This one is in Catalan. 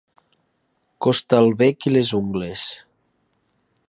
Costar el bec i les ungles.